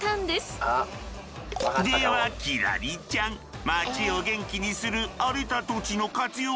では輝星ちゃん町を元気にする荒れた土地の活用